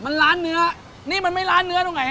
มันล้านเนื้อนี่มันไม่ร้านเนื้อตรงไหน